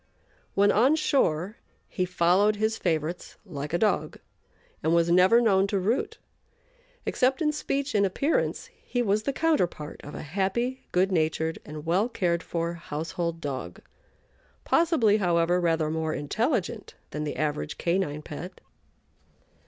When on shore he followed his favorites like a dog and was never known to root. Except in speech and appearance he was the counterpart of a happy, good natured, and well cared for household dog possibly, however, rather more intelligent than the average canine pet.